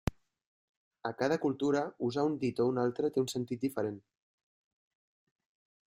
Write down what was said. A cada cultura usar un dit o un altre té un sentit diferent.